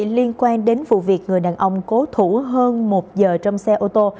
liên quan đến vụ việc người đàn ông cố thủ hơn một giờ trong xe ô tô